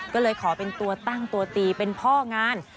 ก็เลยขอเป็นตัวตั้งตัวตีเป็นพ่องาน